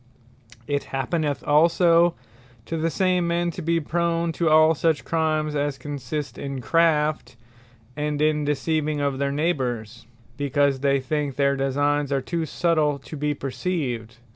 It happeneth also to the same men, to be prone to all such Crimes, as consist in Craft, and in deceiving of their Neighbours; because they think their designes are too subtile to be perceived.